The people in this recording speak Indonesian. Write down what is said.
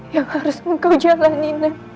yang harus engkau jalani